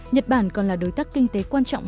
nhật bản còn là đối tác kinh tế quan trọng